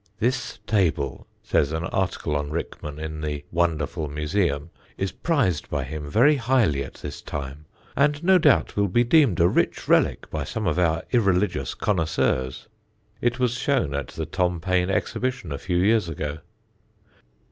"This table," says an article on Rickman in the Wonderful Museum, "is prized by him very highly at this time; and no doubt will be deemed a rich relic by some of our irreligious connoisseurs." It was shown at the Tom Paine exhibition a few years ago.